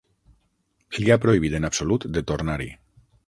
Li ha prohibit en absolut de tornar-hi.